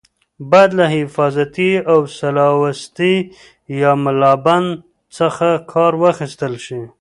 باید له حفاظتي ملاوستي یا ملابند څخه کار واخیستل شي.